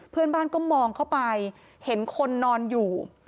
เพื่อนบ้านก็มองเข้าไปเห็นคนนอนอยู่